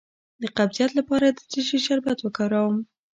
د قبضیت لپاره د څه شي شربت وکاروم؟